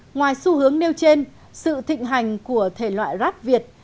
ngoài xu hướng nêu trên sự thịnh hành của thể loại rap việt